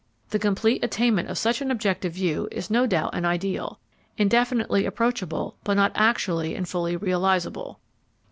The complete attainment of such an objective view is no doubt an ideal, indefinitely approachable, but not actually and fully realisable.